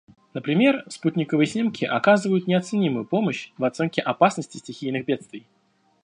Например, спутниковые снимки оказывают неоценимую помощь в оценке опасности стихийных бедствий.